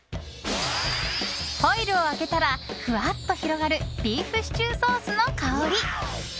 ホイルを開けたらふわっと広がるビーフシチューソースの香り。